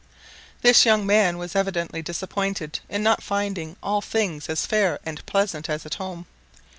This young man was evidently disappointed in not finding all things as fair and pleasant as at home.